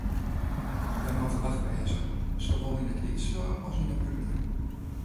Wy moatte wach wêze, sawol yn it lytse as yn it grutte.